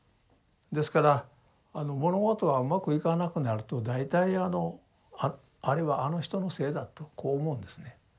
ですから物事はうまくいかなくなると大体あのあれはあの人のせいだとこう思うんですね。